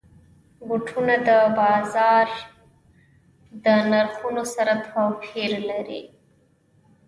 بوټونه د بازار د نرخونو سره توپیر لري.